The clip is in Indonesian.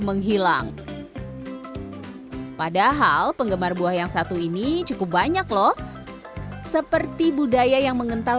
menghilang padahal penggemar buah yang satu ini cukup banyak loh seperti budaya yang mengental